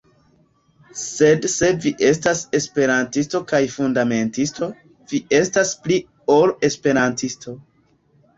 Sed se vi estas Esperantisto kaj fundamentisto, vi estas pli ol Esperantisto.